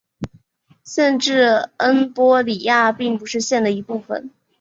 县治恩波里亚并不是县的一部分。